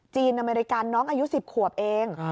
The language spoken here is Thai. อเมริกันน้องอายุ๑๐ขวบเอง